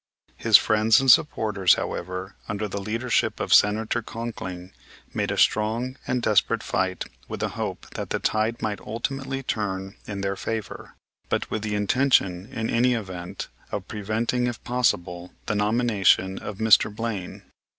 His friends and supporters, however, under the leadership of Senator Conkling, made a strong and desperate fight with the hope that the tide might ultimately turn in their favor, but with the intention, in any event, of preventing if possible the nomination of Mr. Blaine.